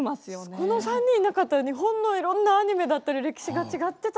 この３人いなかったら日本のいろんなアニメだったり歴史が違ってた。